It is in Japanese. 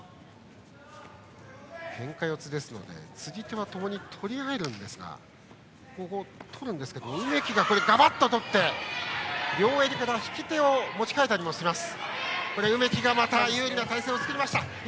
けんか四つですので釣り手はともに取り合えますが梅木がガバッと取って両襟から引き手を持ち替えたりもします。